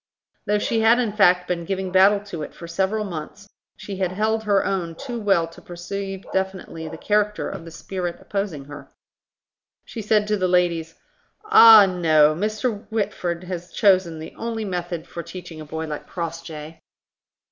Though she had in fact been giving battle to it for several months, she had held her own too well to perceive definitely the character of the spirit opposing her. She said to the ladies, "Ah, no! Mr. Whitford has chosen the only method for teaching a boy like Crossjay."